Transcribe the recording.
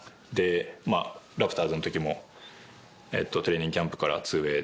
ラプターズの時もトレーニングキャンプから２ｗａｙ。